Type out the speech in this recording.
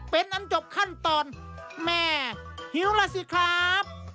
เป็นอันจบขั้นตอนแม่หิวล่ะสิครับ